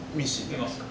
見ますか？